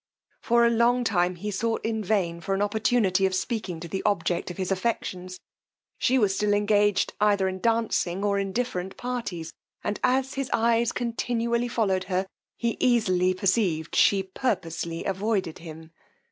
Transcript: For a long time he sought in vain for an opportunity of speaking to the object of his affections: she was still engaged either in dancing or in different parties; and as his eyes continually followed her, he easily perceived she purposely avoided him.